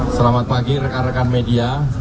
selamat pagi rekan rekan media